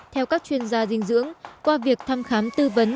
theo các chuyên gia dinh dưỡng qua việc thăm khám tư vấn